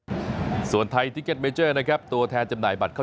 กุญสือทีมชาติไทยเปิดเผยว่าน่าจะไม่มีปัญหาสำหรับเกมในนัดชนะเลิศครับ